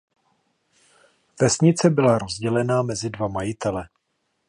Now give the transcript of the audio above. Vesnice byla rozdělená mezi dva majitele.